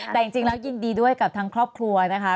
แต่จริงแล้วยินดีด้วยกับทั้งครอบครัวนะคะ